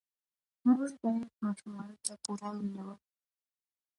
موږ باید ماشومانو ته پوره مینه ورکړو.